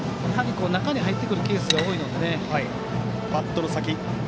中に入ってくるケースが多いのでね。